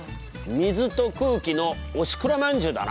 水と空気の押しくらまんじゅうだな。